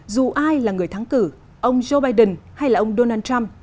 dù ai là người thắng cử ông joe biden hay là ông donald trump